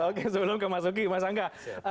oke sebelum ke mas uki mas angga